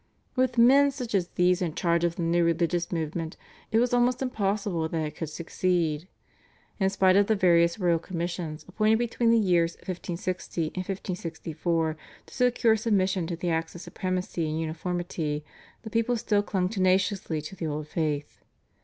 With men such as these in charge of the new religious movement it was almost impossible that it could succeed. In spite of the various royal commissions appointed between the years 1560 and 1564 to secure submission to the Acts of Supremacy and Uniformity, the people still clung tenaciously to the old faith.